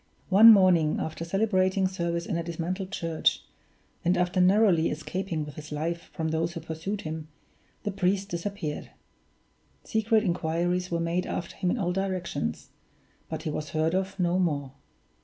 One morning, after celebrating service in a dismantled church, and after narrowly escaping with his life from those who pursued him, the priest disappeared. Secret inquiries were made after him in all directions; but he was heard of no more.